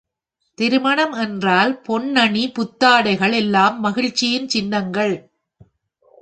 திருமணம் என்றால் பொன்னணி புத்தாடைகள் எல்லாம் மகிழ்ச்சியின் சின்னங்கள்!